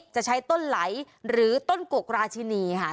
จะใช้ต้นไหลหรือต้นกกราชินีค่ะ